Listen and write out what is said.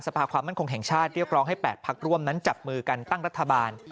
ภาคความมั่นคงแห่งชาติเรียกร้องให้๘พักร่วมนั้นจับมือกันตั้งรัฐบาล